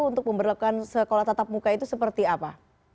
untuk memperlakuan sekolah tatap muka itu seperti apa